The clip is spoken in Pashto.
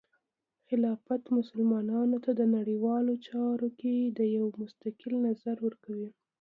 خلافت مسلمانانو ته د نړیوالو چارو کې د یو مستقل نظر ورکوي.